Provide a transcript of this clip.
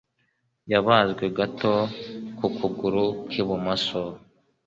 Yabazwe gato ku kuguru k'ibumoso.